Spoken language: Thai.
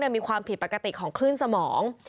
มีความผิดปกติของคลื่นสมอง